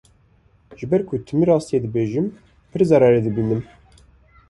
Ji ber ku timî rastiyê dibêjim pir zirarê dibînim.